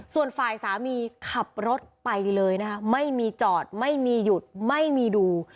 ส่วนฝ่ายสามีขับรถไปเลยนะคะไม่มีจอดไม่มีหยุดไม่มีดู